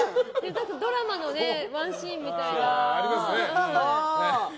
ドラマのワンシーンみたいな。